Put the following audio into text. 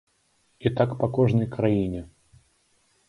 І так па кожнай краіне.